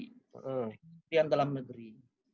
kemudian dalam negeri